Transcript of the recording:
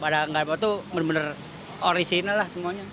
pada anggapan itu benar benar original lah semuanya